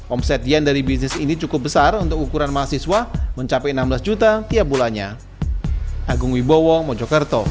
omset dian dari bisnis ini cukup besar untuk ukuran mahasiswa mencapai enam belas juta tiap bulannya